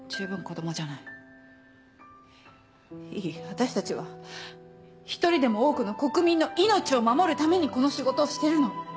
私たちは一人でも多くの国民の命を守るためにこの仕事をしてるの。